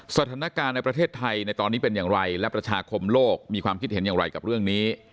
สถานการณ์ในประเทศไทยในตอนนี้เป็นอย่างไรและประชาคมโลกมีความคิดเห็นอย่างไรกับเรื่องนี้